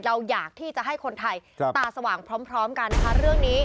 เราอยากที่จะให้คนไทยตาสว่างพร้อมกันนะคะเรื่องนี้